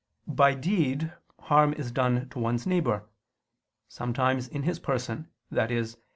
By deed, harm is done to one's neighbor sometimes in his person, i.e.